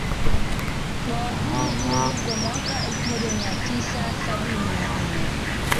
Bwawa hili lilijengwa mwaka elfu moja mia tisa sabini na nne